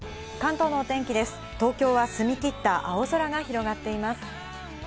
東京は澄み切った青空が広がっています。